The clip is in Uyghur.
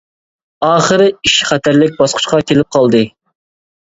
ئاخىرى ئىش خەتەرلىك باسقۇچقا كېلىپ قالدى.